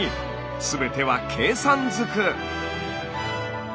全ては計算ずく。